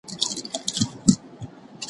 که سياست پوهنه زده کړئ په ټولنه ښه پوهیږئ.